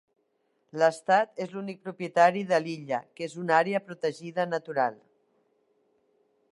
L'estat és l'únic propietari de l'illa, que és una àrea protegida natural.